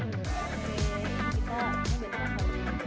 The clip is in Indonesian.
oke kita ini bentar aja